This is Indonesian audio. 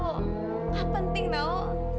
gak penting tau